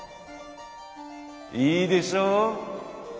いいでしょう？